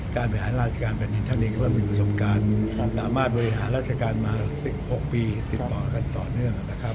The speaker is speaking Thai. การบริหารราชการแผ่นดินท่านเองก็มีประสบการณ์ความสามารถบริหารราชการมา๑๖ปีติดต่อกันต่อเนื่องนะครับ